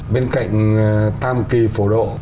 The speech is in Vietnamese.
bên cạnh tam kỳ phổ độ